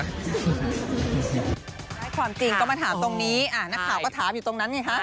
ให้ความจริงก็มาถามตรงนี้นักข่าวก็ถามอยู่ตรงนั้นไงฮะ